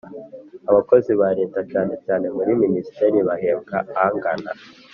Abakozi ba Leta cyane cyane muri minisiteri bahembwa angana.